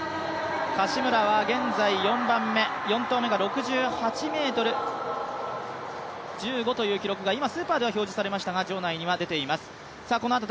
柏村は現在４番目、４投目が６８ｍ１５という記録が今、スーパーでは表示されましたが場内には出ています。